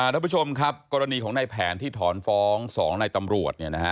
ท่านผู้ชมครับกรณีของในแผนที่ถอนฟ้อง๒ในตำรวจ